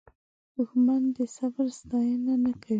دښمن د صبر ستاینه نه کوي